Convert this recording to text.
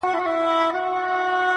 زما دعا به درسره وي زرکلن سې!